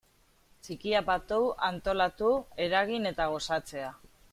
Txikiak batu, antolatu, eragin eta gozatzea.